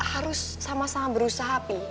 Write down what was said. jadi harus sama sama berusaha pi